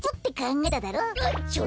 えっ！？